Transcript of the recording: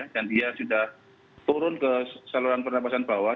dan dia sudah turun ke saluran pernafasan bawah